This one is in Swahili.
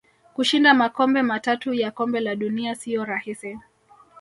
Kushinda makombe matatu ya kombe la dunia siyo rahisi